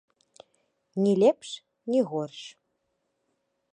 Ні лепш, ні горш.